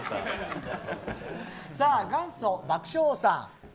元祖爆笑王さん。